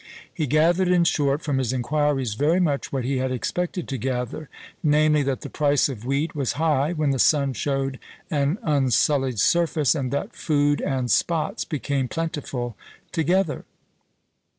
He gathered, in short, from his inquiries very much what he had expected to gather, namely, that the price of wheat was high when the sun showed an unsullied surface, and that food and spots became plentiful together.